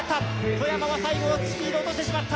外山は最後スピードを落としてしまった。